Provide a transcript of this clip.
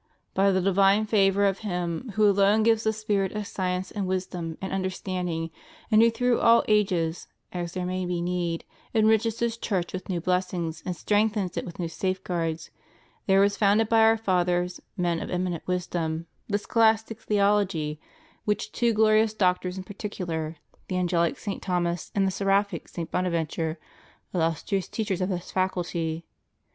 "By the divine favor of Him who alone gives the spirit of science, and wisdom, and understanding, and who through all ages, as there may be need, enriches His Church with new blessings and strengthens it with new safeguards, there was founded by Our fathers, men of eminent wisdom, the scholastic theology, which two glorious doctors in particular, the angelic St. Thomas and the seraphic St. Bonaventure, illustrious teachers of this faculty